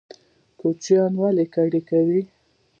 کوچیان ولې کډوالي کوي؟